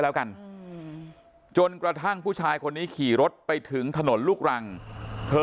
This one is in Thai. แล้วกันจนกระทั่งผู้ชายคนนี้ขี่รถไปถึงถนนลูกรังเธอ